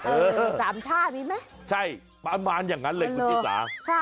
เออสามชาตินิดมั้ยใช่ประมาณอย่างนั้นเลยคุณจีบสาวค่ะ